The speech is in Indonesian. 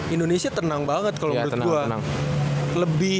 indonesia tenang banget kalau menurut gue